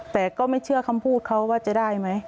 แต่ก็ไม่เชื่อคำพูดเขาว่าจะได้ไหม